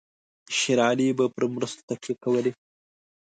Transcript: شېر علي به پر مرستو تکیه کولای.